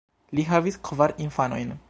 Li havis kvar infanojn.